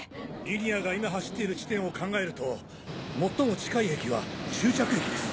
リニアが今走っている地点を考えると最も近い駅は終着駅です。